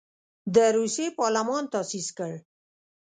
د روسیې پارلمان تاسیس کړ.